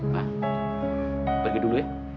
ma pergi dulu ya